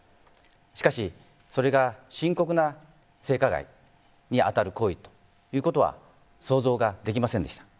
しかし、それが深刻な性加害に当たる行為ということは想像ができませんでした。